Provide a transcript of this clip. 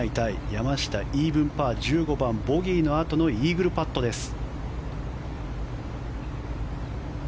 山下、イーブンパー１５番、ボギーのあとのイーグルパットでした。